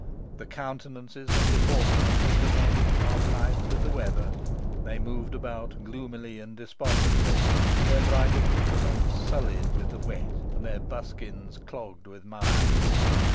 The countenances and deportment of the men harmonized with the weather; they moved about gloomily and despondently, their bright accoutrements sullied with the wet, and their buskins clogged with mire.